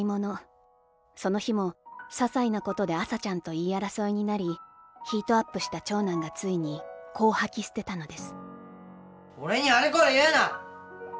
その日も些細なことで麻ちゃんと言い争いになりヒートアップした長男がついに、こう吐き捨てたのです」。